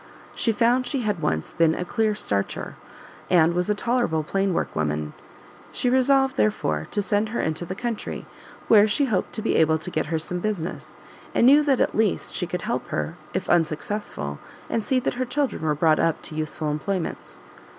She found she had once been a clear starcher, and was a tolerable plain work woman; she resolved, therefore, to send her into the country, where she hoped to be able to get her some business, and knew that at least, she could help her, if unsuccessful, and see that her children were brought up to useful employments.